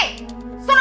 madame bukan gitu